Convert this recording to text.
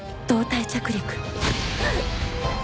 胴体着陸。